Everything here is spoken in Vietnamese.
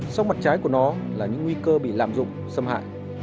sóc mặt trái của nó là những nguy cơ bị làm dụng xâm hại